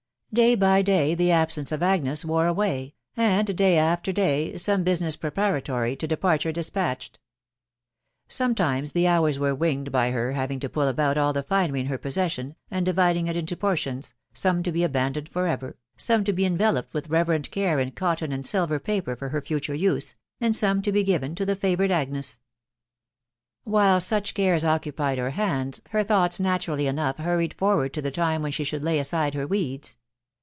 Day by day the absence of Agnes wore away, and day after day saw some business preparatory to departure despatched. Sometimes the hours were winged by her having to pull about all the finery in her possession, and dividing it into portions, some to be abandoned for ever, some to be enveloped with reverent care in cotton and silver paper for her future use, and some to be given to the favoured Agnes. While such cares occupied her hands, her thoughts natu rally enough hurried forward to the time when she should lay aside her weeds.